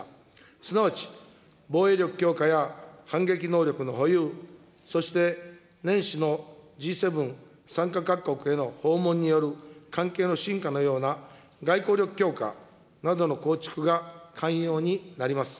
すなわち防衛力強化や反撃能力の保有、そして年始のＧ７参加各国への訪問による関係の深化のような外交力強化などの構築が肝要になります。